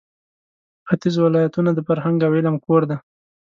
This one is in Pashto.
ختیځ ولایتونه د فرهنګ او علم کور دی.